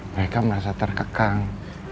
mereka merasa terkekang